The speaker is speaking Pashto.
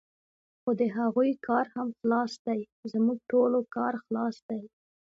خو د هغوی کار هم خلاص دی، زموږ ټولو کار خلاص دی.